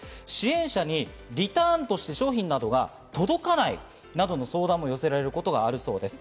支援者にリターンとして商品が届かないなどの相談が寄せられることもあるそうです。